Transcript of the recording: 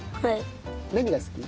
何が好き？